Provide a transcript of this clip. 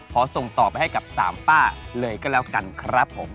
ขอส่งต่อไปให้กับ๓ป้าเลยก็แล้วกันครับผม